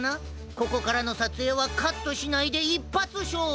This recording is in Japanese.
ここからのさつえいはカットしないでいっぱつしょうぶ！